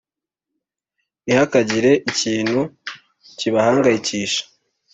ntihakagire ikintu kibahangayikisha